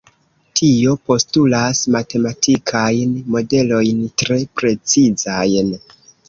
Tio postulas matematikajn modelojn tre precizajn.